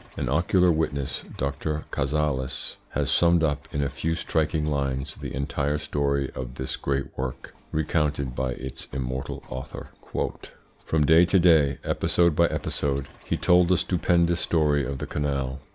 An ocular witness, Dr. Cazalis, has summed up in a few striking lines the entire story of this great work, recounted by its immortal author. "From day to day, episode by episode, he told the stupendous story of the canal.